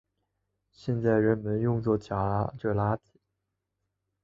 现在人们用作夹着垃圾。